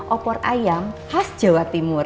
opor ayam khas jawa timur